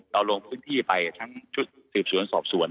เราลงพื้นที่ไปทั้งชุดสืบสวนสอบสวน